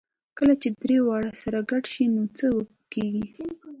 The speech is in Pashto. کله چې درې واړه سره ګډ شي نو څه کېږي؟